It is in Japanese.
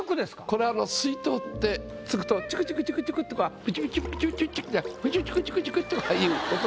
これチュクチュクチュクチュクとかピチュピチュピチュピチュみたいなチュクチュクチュクチュクとかいう音。